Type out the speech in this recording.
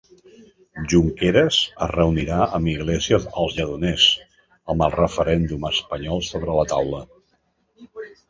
Junqueras es reunirà amb Iglesias als Lledoners amb el referèndum espanyol sobre la taula.